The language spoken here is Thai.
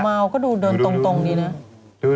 อ๋อมัวเต่าดูดินตรงนิดนึง